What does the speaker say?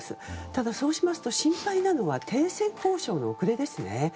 ただ、そうしますと心配なのは停戦交渉の遅れですね。